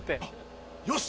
よし！